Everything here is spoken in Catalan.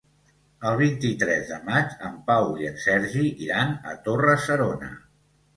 El vint-i-tres de maig en Pau i en Sergi iran a Torre-serona.